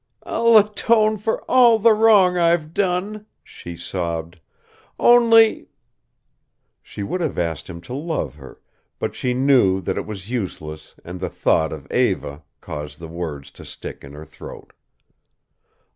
"I'll atone for all the wrong I've done," she sobbed, "only " She would have asked him to love her, but she knew that it was useless and the thought of Eva, caused the words to stick in her throat.